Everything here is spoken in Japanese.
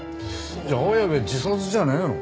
じゃあ綾部自殺じゃねえの？